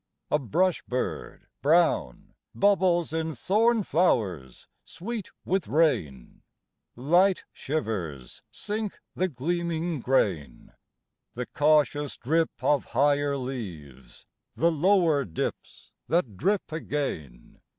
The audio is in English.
A brush bird brown Bubbles in thorn flowers sweet with rain; Light shivers sink the gleaming grain; The cautious drip of higher leaves The lower dips that drip again.